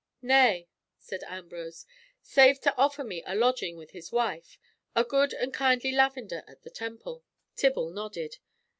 "Nay," said Ambrose, "save to offer me a lodging with his wife, a good and kindly lavender at the Temple." Tibble nodded.